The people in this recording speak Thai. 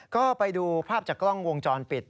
ก็ไปดูภาพจากกล้องวงจรปิด